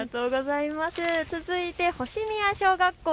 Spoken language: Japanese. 続いて星宮小学校。